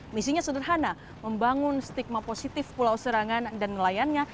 misinya sederhana membangun stigma positif pulau serangan dan nelayannya